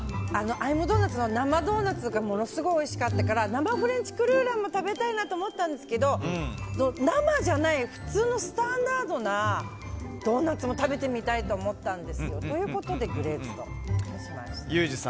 Ｉ’ｍｄｏｎｕｔ？の生ドーナツがものすごいおいしかったから生フレンチクルーラーも食べたいなと思ったんですけど生じゃない普通のスタンダードなドーナツも食べてみたいと思ったんですよ。ということでグレーズドにしました。